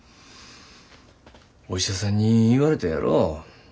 お医者さんに言われたやろ。